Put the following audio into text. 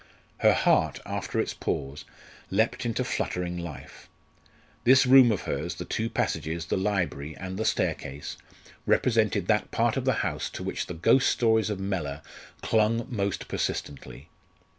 Her heart, after its pause, leapt into fluttering life. This room of hers, the two passages, the library, and the staircase, represented that part of the house to which the ghost stories of Mellor clung most persistently.